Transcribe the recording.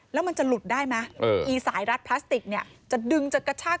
แล้วมันจะหลุดได้ไหมอีสายรัดพลาสติกเนี่ยจะดึงจะกระชาก